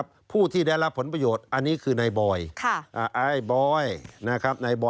ไบล์นะครับ